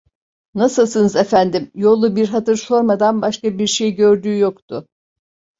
Nasılsınız efendim? yollu bir hatır sormadan başka bir şey gördüğü yoktu.